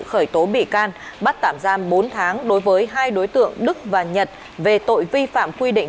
khởi tố bị can bắt tạm giam bốn tháng đối với hai đối tượng đức và nhật về tội vi phạm quy định